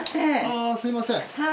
ああすみません。